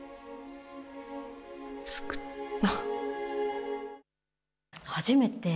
救った。